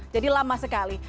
jadi lama sekali